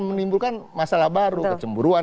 menimbulkan masalah baru kecemburuan